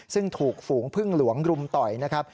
ซึ่งถูกฝูงพึ่งหลวงรุมต่อยนะครับ